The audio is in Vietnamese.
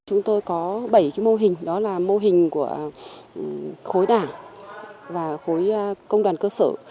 chúng tôi có bảy mô hình đó là mô hình của khối đảng và khối công đoàn cơ sở